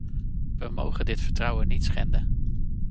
We mogen dit vertrouwen niet schenden.